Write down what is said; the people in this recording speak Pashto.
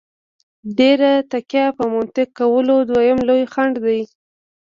ډېره تکیه په منطق کول دویم لوی خنډ دی.